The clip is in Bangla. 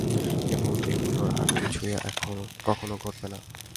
এবং, এগুলোর আর কিছুই কখনও ঘটবে না।